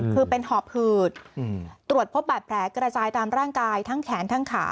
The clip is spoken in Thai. คือเป็นหอบหืดตรวจพบบาดแผลกระจายตามร่างกายทั้งแขนทั้งขา